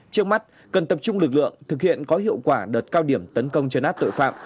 trước mắt cần tập trung lực lượng thực hiện có hiệu quả đợt cao điểm tấn công chấn áp tội phạm